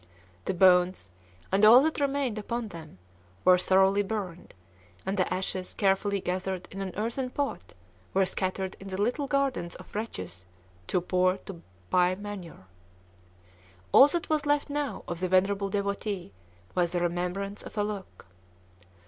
The bones, and all that remained upon them, were thoroughly burned; and the ashes, carefully gathered in an earthen pot, were scattered in the little gardens of wretches too poor to buy manure. All that was left now of the venerable devotee was the remembrance of a look.